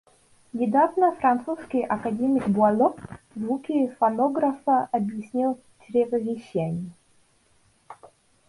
Недавно французский академик Буало звуки фонографа объяснил чревовещанием.